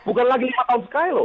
bukan lagi lima tahun sekali loh